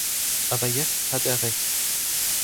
Aber jetzt hat er Recht.